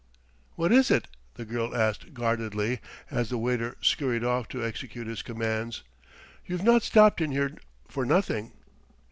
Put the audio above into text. "What is it?" the girl asked guardedly as the waiter scurried off to execute his commands. "You've not stopped in here for nothing!"